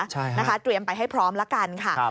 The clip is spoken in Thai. ใช่นะคะเตรียมไปให้พร้อมละกันค่ะ